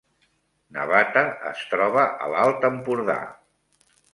Navata es troba a l’Alt Empordà